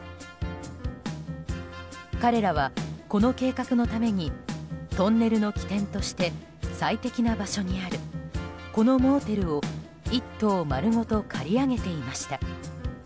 彼らはこの計画のためにトンネルの起点として最適な場所にあるこのモーテルを１棟丸ごと借り上げていました。